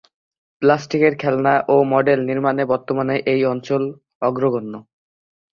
প্লাস্টিকের খেলনা ও মডেল নির্মাণে বর্তমানে এই অঞ্চল অগ্রগণ্য।